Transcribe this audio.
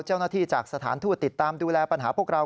เจ้าหน้าที่จากสถานทูตติดตามดูแลปัญหาพวกเรา